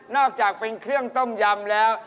อกจากเป็นเครื่องต้มยำแล้ว